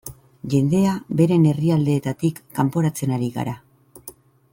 Jendea beren herrialdeetatik kanporatzen ari gara.